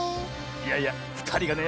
いやいやふたりがね